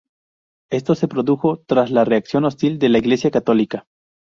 Esto se produjo tras la reacción hostil de la Iglesia Católica.